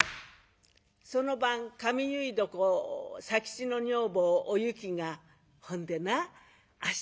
その晩髪結い床佐吉の女房おゆきが「ほんでな明日